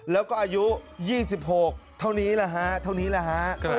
แล้วก็อายุ๒๖เท่านี้แหละฮะเท่านี้แหละฮะ